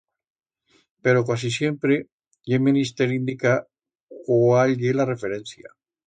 Pero cuasi siempre ye menister indicar cuál ye la referencia.